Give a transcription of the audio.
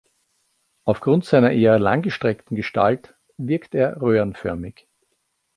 Aufgrund seiner eher langgestreckten Gestalt wirkt er röhrenförmig.